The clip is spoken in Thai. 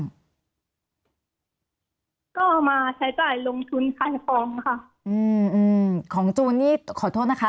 ก็เอามาใช้จ่ายลงทุนคันฟองค่ะอืมของจูนนี่ขอโทษนะคะ